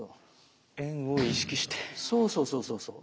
そうそうそうそうそう。